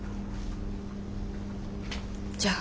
じゃあ。